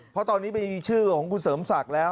เพราะตอนนี้ไม่มีชื่อของคุณเสริมศักดิ์แล้ว